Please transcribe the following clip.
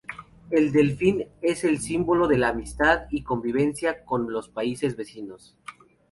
El Delfín, es el símbolo de la amistad y convivencia con los países vecinos.